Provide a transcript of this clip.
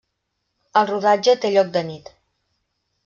El rodatge té lloc de nit.